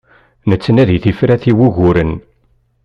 Nettnadi tifrat i wuguren.